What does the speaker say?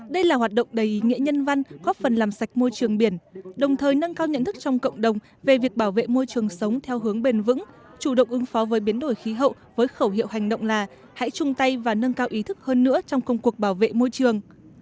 đây là hoạt động đầy ý nghĩa nhân văn góp phần làm sạch môi trường biển đồng thời nâng cao nhận thức trong cộng đồng về việc bảo vệ môi trường sống theo hướng bền vững chủ động ứng phó với biến đổi khí hậu với khẩu hiệu hành động là hãy chung tay và nâng cao ý thức hơn nữa trong công cuộc bảo vệ môi trường